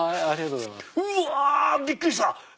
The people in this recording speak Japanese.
うわびっくりした！